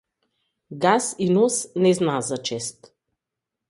Газ и нос не знаат за чест.